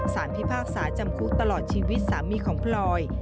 พิพากษาจำคุกตลอดชีวิตสามีของพลอย